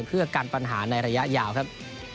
เพื่อกันปัญหาในระยะยาวครับ